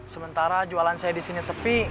sementara jualan saya disini sepi